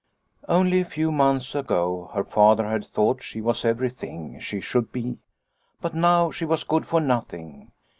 Only a few months ago her Father had thought she was everything she should be, but now she was good for nothing.